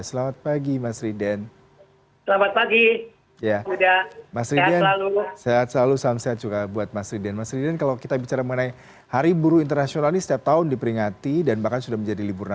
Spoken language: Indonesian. selamat pagi mas riden